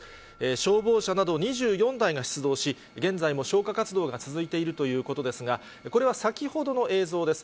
消防車など２４台が出動し、現在も消火活動が続いているということですが、これは先ほどの映像です。